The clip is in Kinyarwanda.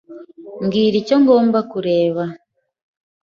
Mbwira icyo ngomba kureba.